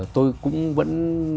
tôi cũng vẫn